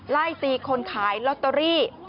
ไล่ตีคนขายลอตเตอรี่